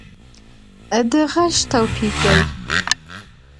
د غږ توپیر دی